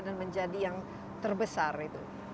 dan menjadi yang terbesar itu